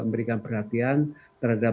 memberikan perhatian terhadap